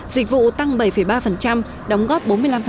dịch vụ tăng bảy ba đóng góp bốn mươi năm